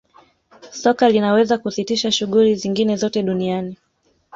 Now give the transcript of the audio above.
soka linaweza kusitisha shughuli zingine zote duniani